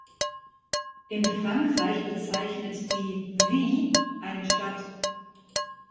In Frankreich bezeichnet die Ville eine Stadt.